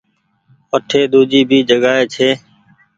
وٺي ۮوجي ڀي جگآ ئي ڇي۔